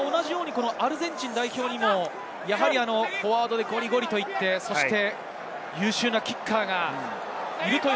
アルゼンチン代表にもフォワードでゴリゴリ行って、優秀なキッカーがいるという